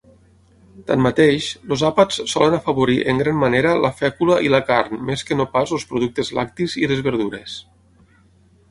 Tanmateix, els àpats solen afavorir en gran manera la fècula i la carn més que no pas els productes lactis i les verdures.